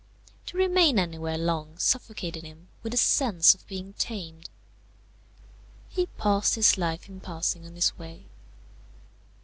To remain anywhere long suffocated him with the sense of being tamed. He passed his life in passing on his way.